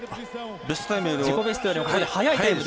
自己ベストよりも早いタイム。